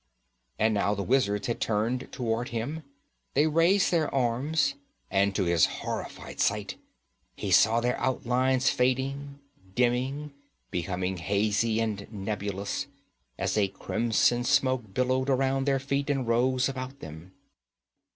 And now the wizards had turned toward him; they raised their arms, and to his horrified sight, he saw their outlines fading, dimming, becoming hazy and nebulous, as a crimson smoke billowed around their feet and rose about them.